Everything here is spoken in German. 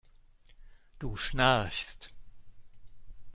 Du schnarchst.